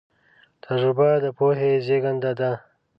تجربه د پوهې زېږنده ده.